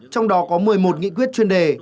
trong đó có một mươi một nghị quyết chuyên đề